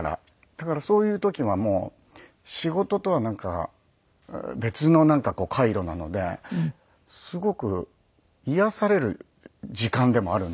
だからそういう時はもう仕事とはなんか別の回路なのですごく癒やされる時間でもあるんですよね。